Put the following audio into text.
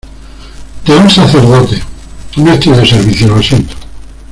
de un sacerdote, no estoy de servicio. lo siento .